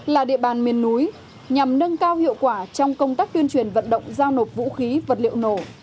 là địa bàn miền núi nhằm nâng cao hiệu quả trong công tác tuyên truyền vận động giao nộp vũ khí vật liệu nổ